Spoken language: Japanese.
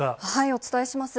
お伝えします。